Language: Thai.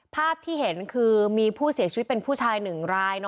ภาพที่เห็นคือมีผู้เสียชีวิตเป็นผู้ชายหนึ่งราย